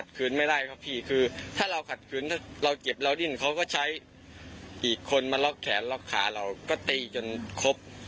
คืนไม่ได้ครับพี่คือถ้าเราขัดขืนถ้าเราเจ็บเราดิ้นเขาก็ใช้อีกคนมาล็อกแขนล็อกขาเราก็ตีจนครบ